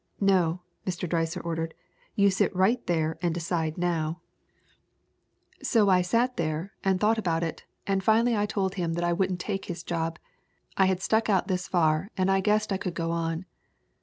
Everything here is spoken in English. " 'No/ Mr. Dreiser ordered. 'You sit right there and decide now/ HONORE WILLSIE 345 "So I sat there and thought about it and finally I told him that I wouldn't take his job. I had stuck out this far and I guessed I could go on.